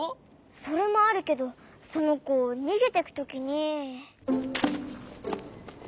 それもあるけどそのこにげてくときに。